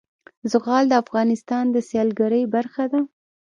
زغال د افغانستان د سیلګرۍ برخه ده.